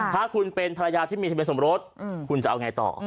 ถ้าคุณเป็นภรรยาที่มีทะเบียนสมรสคุณจะเอาไงต่อ